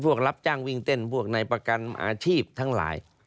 รับจ้างวิ่งเต้นพวกในประกันอาชีพทั้งหลาย